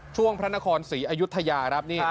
ช่วงพระนครศรีอายุทธยาครับ